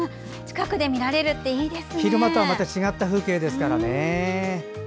昼間とはまた違った風景ですからね。